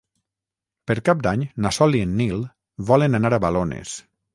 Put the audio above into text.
Per Cap d'Any na Sol i en Nil volen anar a Balones.